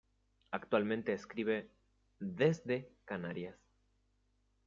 Actualmente escribe "desde" Canarias.